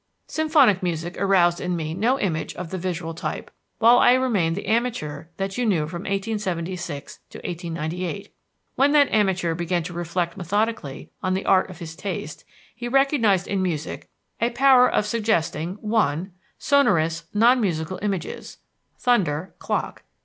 "... Symphonic music aroused in me no image of the visual type while I remained the amateur that you knew from 1876 to 1898. When that amateur began to reflect methodically on the art of his taste, he recognized in music a power of suggesting: "1. Sonorous, non musical images thunder, clock.